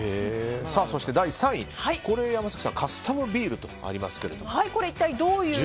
そして第３位カスタムビールとありますが。